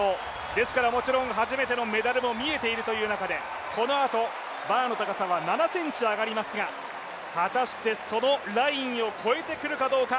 ですから、もちろん初めてのメダルも見えているという中で、このあと、バーの高さは７ｃｍ上がりますが果たしてそのラインを越えてくるかどうか。